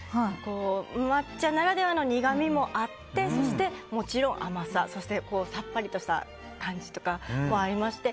抹茶ならではの苦みもあってもちろん甘さそして、さっぱりとした感じとかもありまして